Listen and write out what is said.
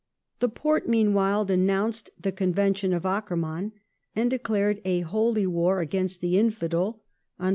The Porte, meanwhile, denounced the Convention of Ackermann, a,nd declared a Holy War against the infidel (Dec.